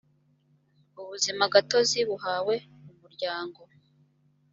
ubuzimagatozi buhawe umuryango